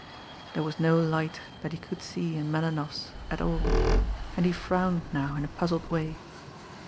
There was no light that he could see in Melinoff's at all; and he frowned now in a puzzled way.